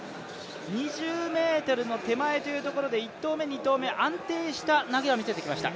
２０ｍの手前というところで１投目、２投目、安定した投げを見せてきました。